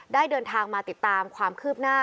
เดินทางมาติดตามความคืบหน้า